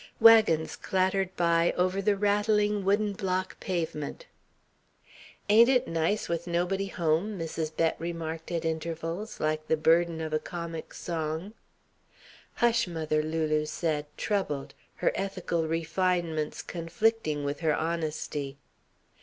Wagons clattered by over the rattling wooden block pavement. "Ain't it nice with nobody home?" Mrs. Bett remarked at intervals, like the burden of a comic song. "Hush, mother," Lulu said, troubled, her ethical refinements conflicting with her honesty.